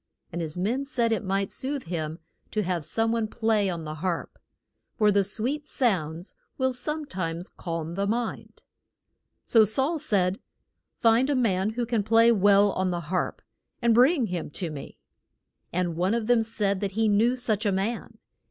And his men said it might soothe him to have some one play on the harp. For sweet sounds will some times calm the mind. So Saul said, Find a man who can play well on the harp, and bring him to me. And one of them said that he knew such a man.